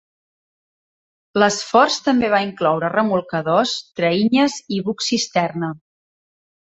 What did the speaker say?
L"esforç també va incloure remolcadors, traïnyes y bucs cisterna.